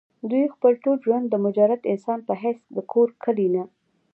دوي خپل ټول ژوند د مجرد انسان پۀ حېث د کور کلي نه